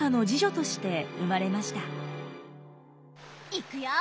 いくよ？